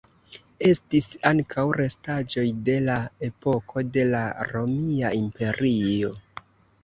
Estis ankaŭ restaĵoj de la epoko de la Romia Imperio.